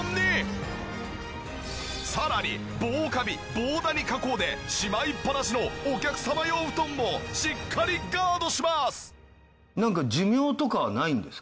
さらに防カビ・防ダニ加工でしまいっぱなしのお客様用布団もしっかりガードします！